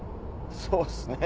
そうですね。